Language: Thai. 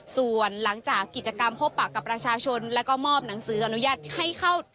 ส่วนหลังจากกิจกรรมพบปะกับประชาชนแล้วก็มอบหนังสืออนุญาตให้เข้า